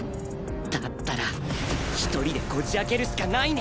だったら一人でこじ開けるしかないね！